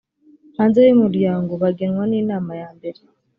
hanze y umuryango bagenwa n inama yambere